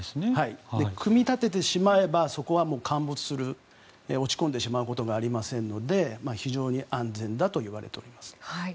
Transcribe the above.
組み立ててしまえばそこは陥没することはありませんので非常に安全だといわれています。